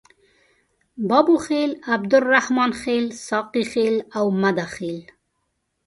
بابوخیل، عبدالرحمن خیل، ساقي خیل او مده خیل.